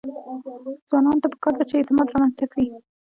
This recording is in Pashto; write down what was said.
ځوانانو ته پکار ده چې، اعتماد رامنځته کړي.